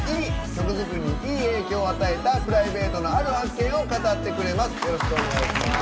曲作りにいい影響を与えたプライベートのある発見を語ってくれます。